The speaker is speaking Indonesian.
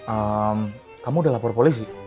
eh kamu udah lapor polisi